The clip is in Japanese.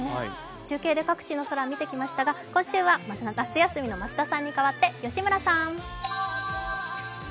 中継で各地の空を見てきましたが今週は夏休みの増田さんに代わって吉村さん。